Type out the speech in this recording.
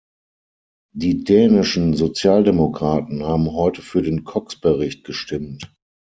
Die dänischen Sozialdemokraten haben heute für den Cox-Bericht gestimmt.